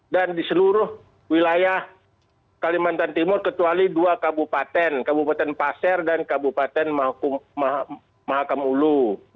dan di seluruh wilayah kalimantan timur kecuali dua kabupaten kabupaten pasir dan kabupaten mahakamulu